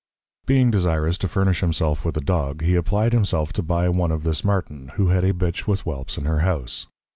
Being desirous to furnish himself with a Dog, he applied himself to buy one of this Martin, who had a Bitch with Whelps in her House.